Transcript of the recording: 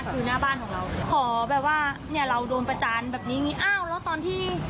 คือหน้าบ้านของเราขอแบบว่าเราโดนประจานแบบนี้